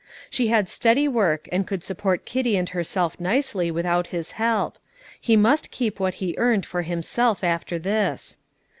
She had steady work, and could support Kitty and herself nicely without his help; he must keep what he earned for himself after this.